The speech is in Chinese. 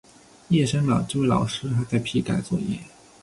夜深了，这位老师还在批改作业